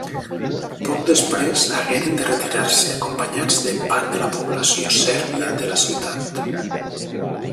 Poc després, hagueren de retirar-se, acompanyats de part de la població sèrbia de la ciutat.